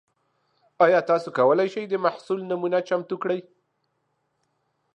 ایا تاسو کولی شئ د محصول نمونه چمتو کړئ؟